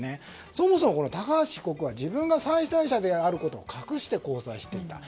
そもそも、高橋被告は自分が妻帯者であることを隠して交際していた。